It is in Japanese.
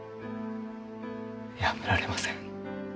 やめられません。